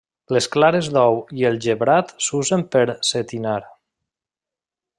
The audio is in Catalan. Les clares d'ou i el gebrat s'usen per setinar.